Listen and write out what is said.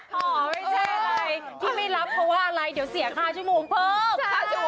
หอไม่ใช่อะไรที่ไม่รับเพราะว่าอะไรเดี๋ยวเสีย๕ชั่วโมงเพิ่ม